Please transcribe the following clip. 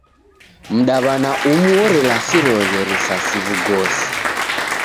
Mdaw'ana umu orelasiroghe risasi w'ugosi.